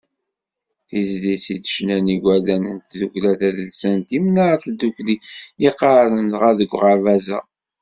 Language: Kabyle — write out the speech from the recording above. Tizlit i d-ccnan yigerdan n tdukkla tadelsant Imnar n Tdukli, yeqqaren dɣa deg uɣerbaz-a.